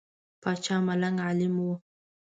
پاچا ملنګ عالم وو.